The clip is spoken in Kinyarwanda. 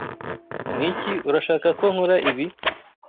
Nikiurashaka ko nkora ibi?